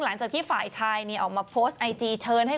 ไม่รู้พี่ถามหนูเนี่ย